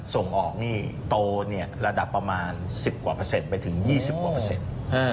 ส่งออกนี่โตเนี่ยระดับประมาณ๑๐กว่าเปอร์เซ็นต์ไปถึง๒๐กว่าเปอร์เซ็นต์